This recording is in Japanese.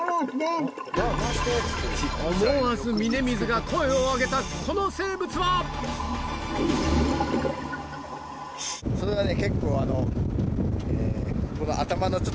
思わず峯水が声をあげたこの生物は⁉それはね